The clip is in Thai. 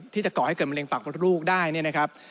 ก่อให้เกิดมะเร็ปากมดลูกได้เนี่ยนะครับ